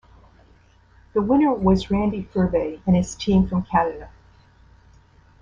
The winner was Randy Ferbey and his team from Canada.